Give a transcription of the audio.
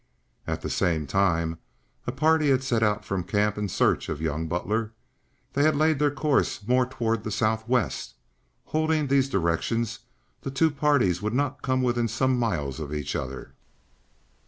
At the same time a party had set out from the camp in search of young Butler. They had laid their course more toward the southwest. Holding these directions the two parties would not come within some miles of each other.